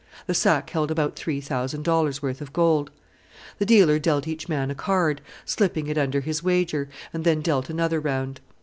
The sack held about three thousand dollars worth of gold. The dealer dealt each man a card, slipping it under his wager, and then dealt another round.